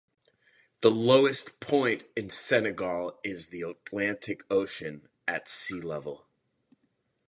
The lowest point in Senegal is the Atlantic Ocean, at sea level.